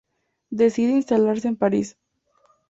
Decide instalarse en París.